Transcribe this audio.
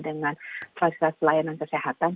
dengan proses pelayanan kesehatan